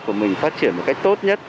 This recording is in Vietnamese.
của mình phát triển một cách tốt nhất